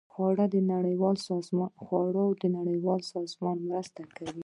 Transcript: د خوړو نړیوال سازمان مرسته کوي.